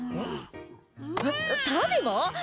えっ、タビも？